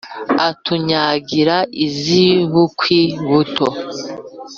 atunyagira iz’i bukwi-buto